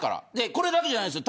これだけじゃないです。